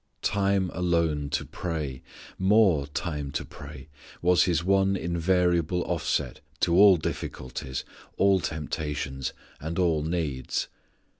_ Time alone to pray; more time to pray, was His one invariable offset to all difficulties, all temptations, and all needs.